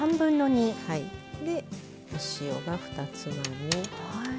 でお塩が２つまみ。